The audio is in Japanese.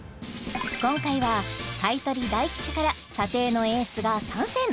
今回は買取大吉から査定のエースが参戦！